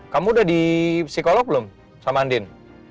kamu udah di psikolog belum sama andin